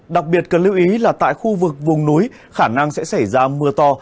đặc biệt cần lưu ý là tại khu vực vùng núi khả năng sẽ xảy ra mưa to